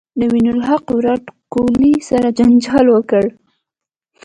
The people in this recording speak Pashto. نوین الحق ویرات کوهلي سره جنجال وکړ